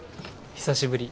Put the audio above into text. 久しぶり。